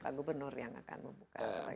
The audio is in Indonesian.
pak gubernur yang akan membuka kembali